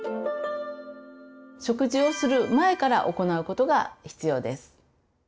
食事をする前から行うことが必要です。